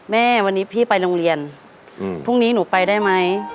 แม่วันนี้พี่ไปโรงเรียนพรุ่งนี้หนูไปได้ไหม